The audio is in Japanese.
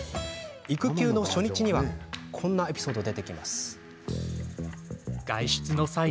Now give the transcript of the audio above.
育休の初日にはこんなエピソードが。